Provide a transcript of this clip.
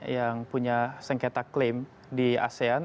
yang punya sengketa klaim di asean